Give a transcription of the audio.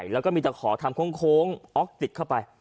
แล้วก็มีตะขอทำโค้งออกติดเข้าไป